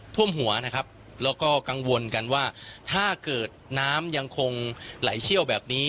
ท่วมหัวนะครับแล้วก็กังวลกันว่าถ้าเกิดน้ำยังคงไหลเชี่ยวแบบนี้